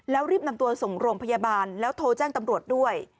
แล้วรีบนำตัวส่งโรงพยาบาลแล้วโทรแจ้งตำรวจด้วย